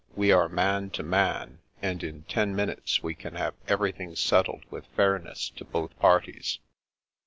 We are man to man, and in ten minutes we can have everything settled with fairness to both parties."